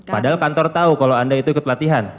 padahal kantor tahu kalau anda itu ikut latihan